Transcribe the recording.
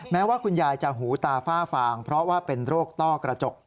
แม้ว่าคุณยายจะหูตาฝ้าฟางเพราะว่าเป็นโรคต้อกระจก